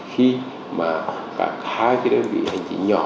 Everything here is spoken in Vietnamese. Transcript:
khi mà cả hai cái đơn vị hành chính nhỏ